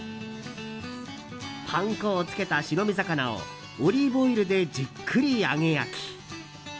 パン粉をつけた白身魚をオリーブオイルでじっくり揚げ焼き。